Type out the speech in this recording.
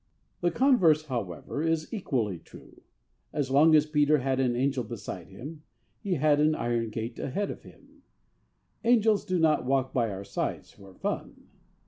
III The converse, however, is equally true. As long as Peter had an angel beside him, he had an iron gate ahead of him. Angels do not walk by our sides for fun.